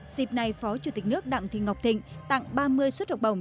dịp này phó chủ tịch nước đặng thị ngọc thịnh tặng ba mươi suất học bổng